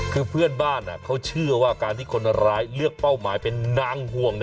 คือเพื่อนบ้านเขาเชื่อว่าการที่คนร้ายเลือกเป้าหมายเป็นนางห่วง